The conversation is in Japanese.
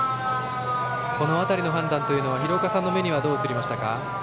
この辺りの判断というのは廣岡さんの目にはどう映りましたか？